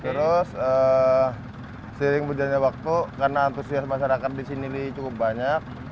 terus seiring berjalannya waktu karena antusias masyarakat di sini cukup banyak